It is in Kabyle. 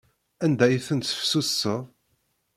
Anda ay ten-tesseftutseḍ?